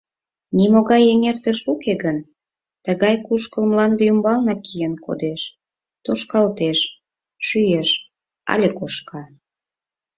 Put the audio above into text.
Нимогай эҥертыш уке гын, тыгай кушкыл мланде ӱмбаланак киен кодеш, тошкалтеш, шӱэш але кошка.